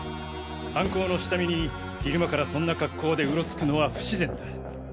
犯行の下見に昼間からそんな格好でウロつくのは不自然だ。